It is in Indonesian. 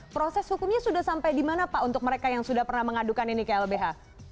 proses hukumnya sudah sampai di mana pak untuk mereka yang sudah pernah mengadukan ini ke lbh